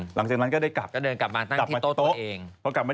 หลังจากนั้นก็ได้กลับมาต้องโต๊ะเอง